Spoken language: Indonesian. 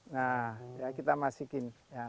nah kita masukin